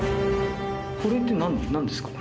これってなんですか？